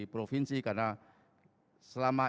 provinsi karena selama